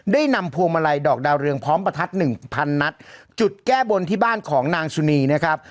นำพวงมาลัยดอกดาวเรืองพร้อมประทัดหนึ่งพันนัดจุดแก้บนที่บ้านของนางสุนีนะครับ